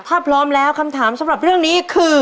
ถ้าพร้อมแล้วคำถามสำหรับเรื่องนี้คือ